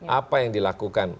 apa yang dilakukan